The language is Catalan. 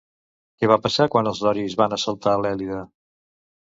Què va passar quan els doris van assaltar l'Èlida?